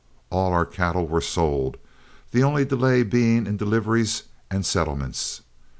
All our cattle were sold, the only delay being in deliveries and settlements.